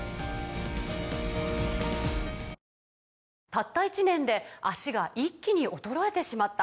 「たった１年で脚が一気に衰えてしまった」